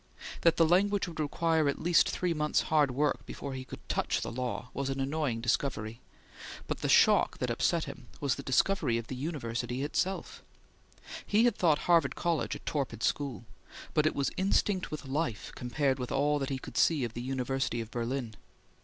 That the language would require at least three months' hard work before he could touch the Law was an annoying discovery; but the shock that upset him was the discovery of the university itself. He had thought Harvard College a torpid school, but it was instinct with life compared with all that he could see of the University of Berlin.